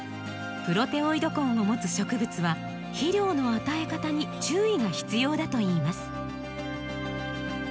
プロテオイド根を持つ植物は肥料の与え方に注意が必要だといいます。